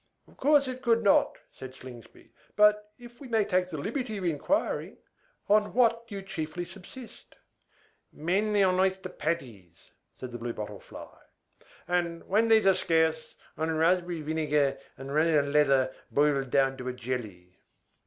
"Of course it could not," said Slingsby. "But, if we may take the liberty of inquiring, on what do you chiefly subsist?" "Mainly on oyster patties," said the Blue Bottle Fly; "and, when these are scarce, on raspberry vinegar and Russian leather boiled down to a jelly."